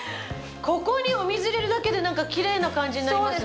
ここにお水入れるだけで何かきれいな感じになりますね。